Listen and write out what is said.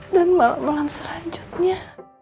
dan malam malam selanjutnya